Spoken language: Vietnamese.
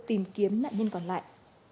tìm kiếm nạn nhân còn lại